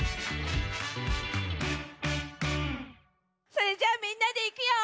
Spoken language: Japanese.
それじゃあみんなでいくよ！